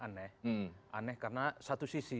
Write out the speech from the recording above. aneh aneh karena satu sisi